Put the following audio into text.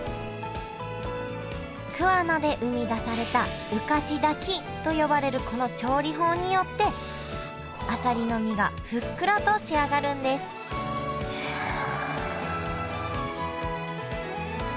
桑名で生み出された浮かし炊きと呼ばれるこの調理法によってあさりの身がふっくらと仕上がるんですへえ。